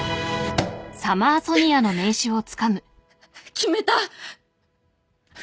決めた！